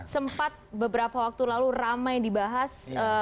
sempat beberapa waktu lalu ramai dibahas